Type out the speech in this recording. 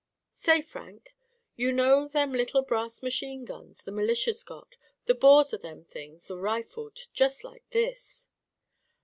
'Say Frank, you know them little brass machine guns the militia's got? the bores o' them things 're rifled just like this.